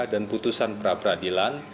dan putusan pra peradilan